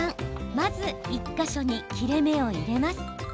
まず、１か所に切れ目を入れます。